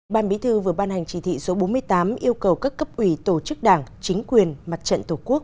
ban bí thư vừa ban hành chỉ thị số bốn mươi tám yêu cầu các cấp ủy tổ chức đảng chính quyền mặt trận tổ quốc